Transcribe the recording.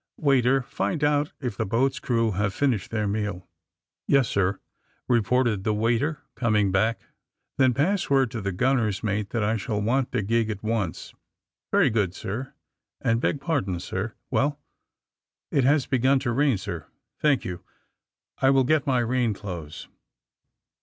*' Waiter, find out if the boat's crew have finished their meal.'* Yes, sir," reported the waiter, coming back. ^^Then pass word to the gunner's mate that I shall want the gig at once." ^^Very good, sir. And, beg pardon, sir,'^ ^^WeUI" ^^It has begun to rain, sir." Thank you. I will get my rain clothes.''